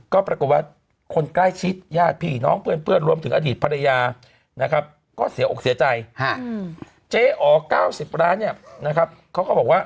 ก็ปรากฏว่าคนใกล้ชิดญาติผีน้องเพื่อนรวมถึงอดีตภรรยานะครับ